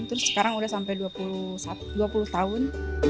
terus sekarang udah sampai dua puluh tahun